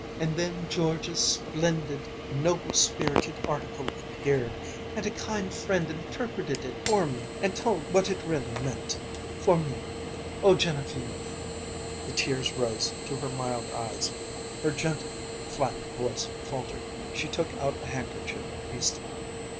And then George's splendid, noble spirited article appeared, and a kind friend interpreted it for me and told what it really meant, for me! Oh, Genevieve."... The tears rose to her mild eyes, her gentle, flat voice faltered, she took out a handkerchief hastily.